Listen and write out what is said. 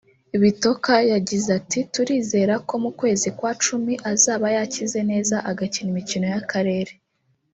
Bitok yagize ati” Turizere ko mu kwezi kwa cumi azaba yakize neza agakina imikino y’akarere